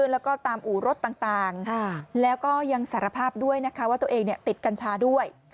แล้วก็ตามอู่รถต่างแล้วก็ยังสารภาพด้วยนะคะว่าตัวเองติดกัญชาด้วย